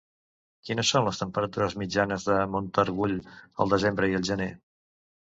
Quines són les temperatures mitjanes de Montargull al desembre i al gener?